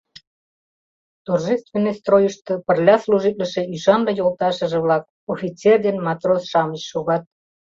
Торжественный стройышто пырля служитлыше ӱшанле йолташыже-влак, офицер ден матрос-шамыч, шогат.